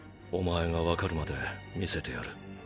お前がわかるまで見せてやる。